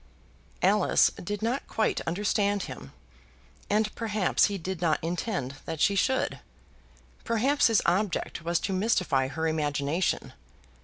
Alice did not quite understand him, and perhaps he did not intend that she should. Perhaps his object was to mystify her imagination.